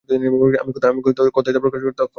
আমি কথায় তা প্রকাশ করতে অক্ষম।